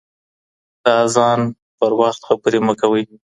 د اذان په وخت خبرې مه کوئ.